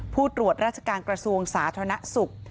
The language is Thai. ผู้ตรวจราชการกระทรวงสาธารณสุข